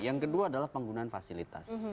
yang kedua adalah penggunaan fasilitas